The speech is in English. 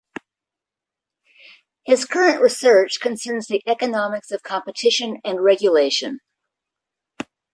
His current research concerns the economics of competition and regulation.